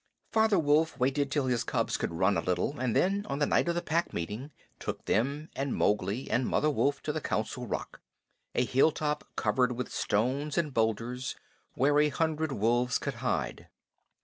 Father Wolf waited till his cubs could run a little, and then on the night of the Pack Meeting took them and Mowgli and Mother Wolf to the Council Rock a hilltop covered with stones and boulders where a hundred wolves could hide.